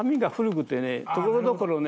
ところどころね。